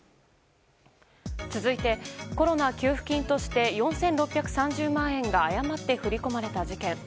続いてコロナ給付金として４６３０万円が誤って振り込まれた事件。